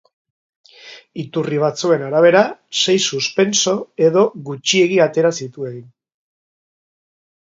Iturri batzuen arabera, sei suspenso edo gutxiegi atera zituen.